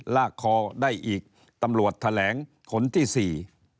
ลากคอได้อีกตำรวจแถลงคนที่สี่